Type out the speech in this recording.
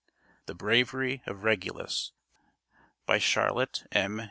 THE BRAVERY OF REGULUS By Charlotte M.